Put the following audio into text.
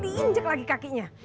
diinjak lagi kakinya